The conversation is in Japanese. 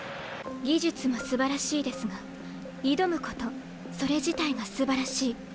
技術もすばらしいですが挑むことそれ自体がすばらしい。